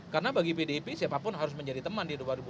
karena bagi pdip siapapun harus menjadi teman di dua ribu dua puluh empat